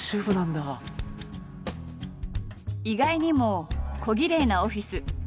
意外にもこぎれいなオフィス。